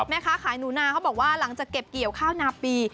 แม่ค้าขายหนูนาเขาบอกว่าหลังจากเก็บเกี่ยวข้าวนาปี